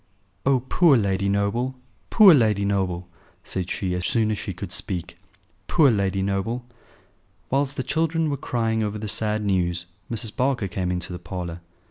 "Oh! poor Lady Noble! poor Lady Noble!" said she, as soon as she could speak. "Poor Lady Noble!" Whilst the children were crying over the sad news Mrs. Barker came into the parlour.